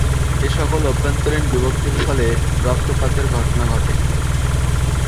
এসকল অভ্যন্তরীণ বিভক্তির ফলে রক্তপাতের ঘটনা ঘটে।